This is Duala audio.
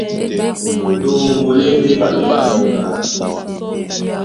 Ɗoŋgo lá e ndé ɓato ɓá nyuŋgá.